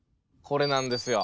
これなんですよ。